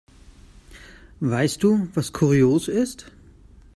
Weißt du, was kurios ist?